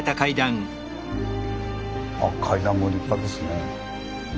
あ階段も立派ですね。